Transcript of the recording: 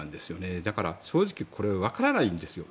だから、正直これはわからないんですよ。